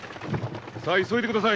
さぁ急いでください。